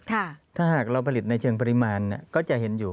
ถ้าหากเราผลิตในเชิงปริมาณก็จะเห็นอยู่